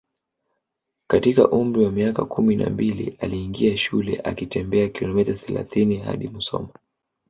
katika umri wa miaka kumi na mbili aliingia shule akitembea kilomita thelathini hadi Musoma